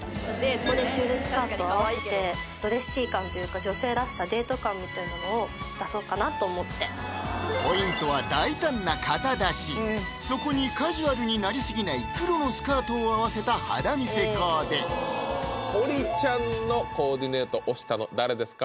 ここでチュールスカート合わせてみたいなのを出そうかなと思ってポイントは大胆な肩出しそこにカジュアルになり過ぎない黒のスカートを合わせた肌見せコーデ堀ちゃんのコーディネート推したの誰ですか？